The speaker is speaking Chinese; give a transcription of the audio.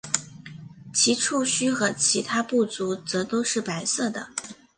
其触须和其他步足则都是白色的。